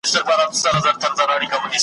نه شهید او نه زخمي د چا په یاد وو `